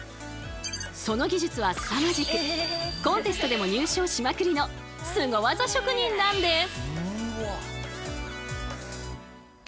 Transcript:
その技術はすさまじくコンテストでも入賞しまくりのスゴ技職人なんです。